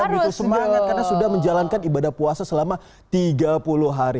begitu semangat karena sudah menjalankan ibadah puasa selama tiga puluh hari